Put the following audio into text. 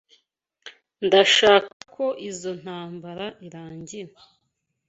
Ndashaka ko izoi ntambara irangira.